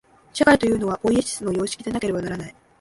社会というのは、ポイエシスの様式でなければならない。